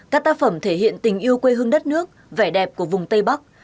các tác phẩm thể hiện tình yêu quê hương đất nước vẻ đẹp của vùng tây bắc